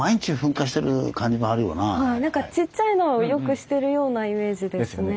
でもちっちゃいのをよくしてるようなイメージですね。